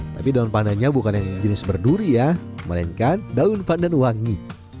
tapi daun pandannya bukan yang jenis berduri ya melainkan daun pandan wangi